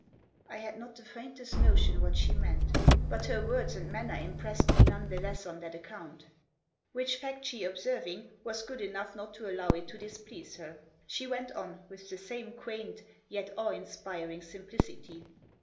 I had not the faintest notion what she meant ; but her words and manner impressed me none the less on that account. Which fact she observing was good Digitized by 124 THE JOSS. enough not to allow it to displease her. She went on, with the same quaint, yet awe inspiring simplicity.